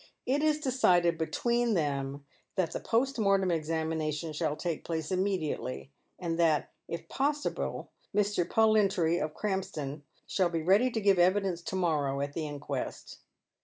It is decided between them that the post mortem examination shall take place immediately, and that, if possible, Mr. PoUintory, of Krampston, shall be ready to give evidence to morrow at the inquest.